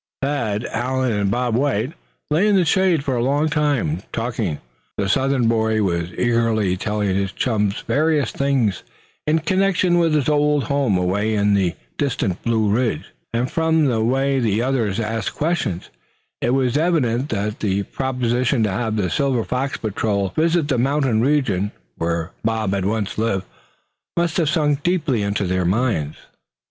Thad, Allan and Bob White lay in the shade for a long time, talking. The Southern boy was eagerly telling his chums various things in connection with his old home away off in the distant Blue Ridge; and from the way the others asked questions it was evident that the proposition to have the Silver Fox Patrol visit the mountain region where Bob had once lived must have sunk deeply into their minds.